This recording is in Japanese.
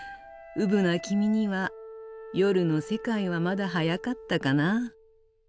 ウブな君には夜の世界はまだ早かったかな。